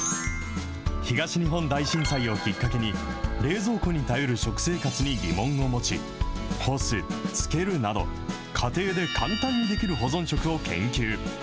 東日本大震災をきっかけに、冷蔵庫に頼る食生活に疑問を持ち、干す、漬けるなど、家庭で簡単にできる保存食を研究。